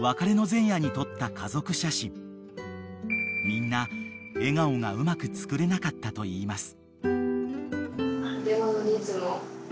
［みんな笑顔がうまく作れなかったといいます］